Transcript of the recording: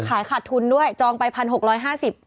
แล้วขายขาดทุนด้วยจองไปพันหกร้อยห้าสิบ